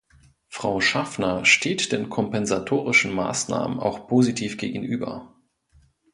Frau Schaffner steht den kompensatorischen Maßnahmen auch positiv gegenüber.